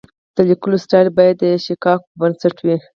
د لیکلو سټایل باید د شیکاګو پر بنسټ وي.